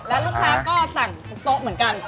แล้วลูกค้าก็สั่งทุกโต๊ะเหมือนกัน